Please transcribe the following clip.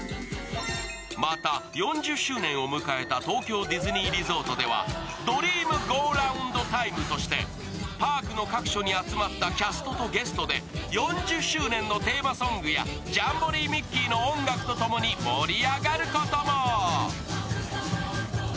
また、４０周年を迎えた東京ディズニーリゾートではドリームゴーラウンドタイムとしてパークの各所に集まったキャストとゲストで４０周年のテーマソングやジャンボリミッキー！の音楽とともに盛り上がることも。